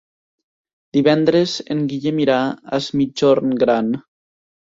Divendres en Guillem irà a Es Migjorn Gran.